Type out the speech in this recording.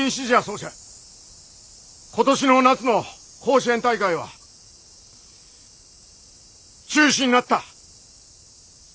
今年の夏の甲子園大会は中止になった。